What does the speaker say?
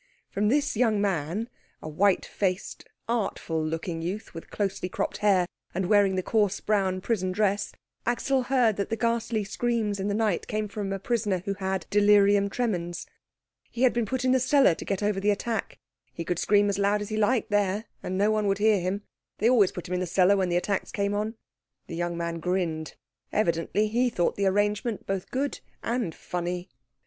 From this young man, a white faced, artful looking youth, with closely cropped hair and wearing the coarse, brown prison dress, Axel heard that the ghastly screams in the night came from a prisoner who had delirium tremens; he had been put in the cellar to get over the attack; he could scream as loud as he liked there, and no one would hear him; they always put him in the cellar when the attacks came on. The young man grinned. Evidently he thought the arrangement both good and funny.